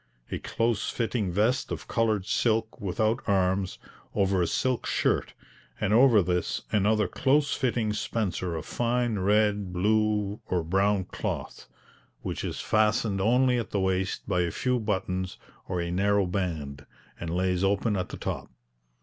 A close fitting vest of coloured silk without arms, over a silk shirt, and over this another close fitting spencer of fine red, blue, or brown cloth, which is fastened only at the waist by a few buttons or a narrow band, and lays open at the top.